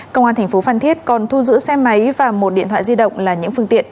công an thành phố phan thiết còn thu giữ xe máy và một điện thoại di động là những phương tiện